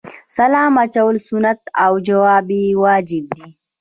سلام اچول سنت او جواب یې واجب دی